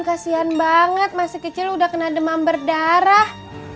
kasian banget masih kecil udah kena demam berdarah